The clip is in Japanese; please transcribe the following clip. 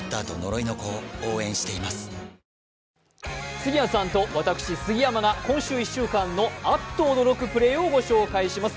杉谷さんと私・杉山が今週１週間のあっと驚くプレーをご紹介します。